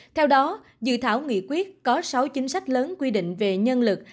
theo đó dự thảo nghị quyết có sáu chính sách lớn quy định về nhân lực